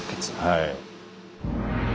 はい。